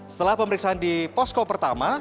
setelah pemeriksaan di posko pertama